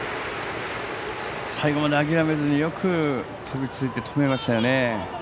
最後まで諦めずによく飛びついて止めましたよね。